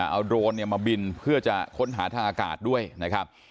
เอาโดรนมาบินเพื่อจะค้นหาทางอากาศด้วยนะครับ